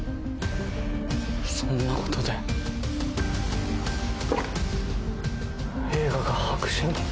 そんなことで映画が白紙に。